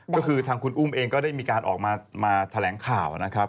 ก็คือทางคุณอุ้มเองก็ได้มีการออกมาแถลงข่าวนะครับ